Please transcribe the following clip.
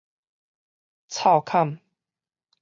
湊坎